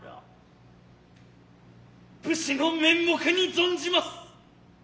武士の面目に存じます。